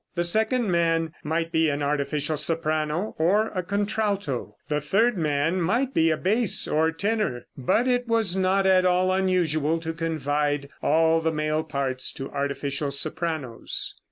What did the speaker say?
The second man might be an artificial soprano or a contralto. The third man might be a bass or tenor. But it was not at all unusual to confide all the male parts to artificial sopranos.